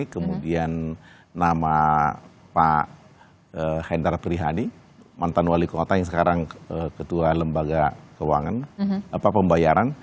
kemudian nama pak hendar prihadi mantan wali kota yang sekarang ketua lembaga keuangan pembayaran